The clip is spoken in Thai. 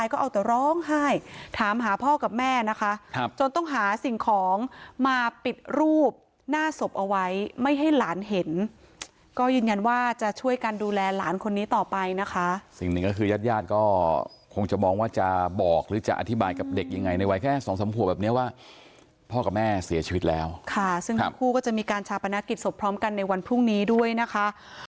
ก็ยืนยันว่าจะช่วยกันดูแลหลานคนนี้ต่อไปนะคะสิ่งหนึ่งก็คือยาดยาดก็คงจะมองว่าจะบอกหรือจะอธิบายกับเด็กยังไงในวัยแค่สองสามขวบแบบเนี้ยว่าพ่อกับแม่เสียชีวิตแล้วค่ะซึ่งคู่ก็จะมีการชาปนาคิดศพพร้อมกันในวันพรุ่งนี้ด้วยนะคะ